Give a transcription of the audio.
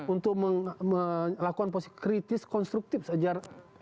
untuk melakukan posisi kritis konstruktif sejarah